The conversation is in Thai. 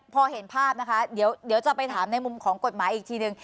พอเห็นภาพนะคะเดี๋ยวจะไปถามในมุมของกฎหมายอีกทีนึง